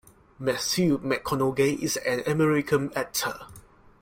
Matthew McConaughey is an American actor.